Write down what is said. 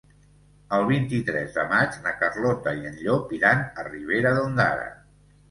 El vint-i-tres de maig na Carlota i en Llop iran a Ribera d'Ondara.